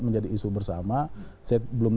menjadi isu bersama saya belum